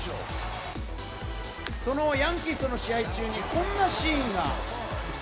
そのヤンキースとの試合中にこんなシーンが。